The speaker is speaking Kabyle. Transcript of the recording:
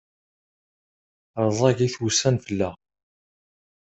Rẓagit wussan fell-aɣ.